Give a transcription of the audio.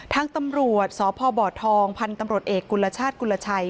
ทางตำรวจสพบทองพันธุ์ตำรวจเอกกุลชาติกุลชัย